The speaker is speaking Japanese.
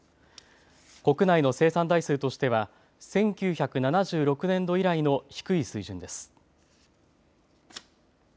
国内の生産台数としては１９７６年度以来の低い水準です。